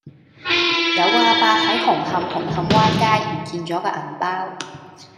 有個亞伯喺紅磡紅磡灣街唔見左個銀包